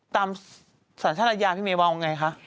ตามสรรชนาญาพี่เมวัลว่างไรคะ